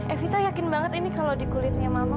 evita yakin banget ini kalau di kulitnya mama